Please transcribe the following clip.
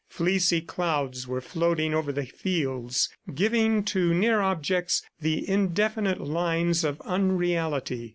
Fleecy clouds were floating over the fields, giving to near objects the indefinite lines of unreality.